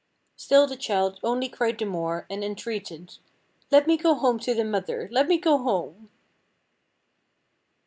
Still the child only cried the more, and entreated, "Let me go home to the mother, let me go home."